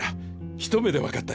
一目でわかったよ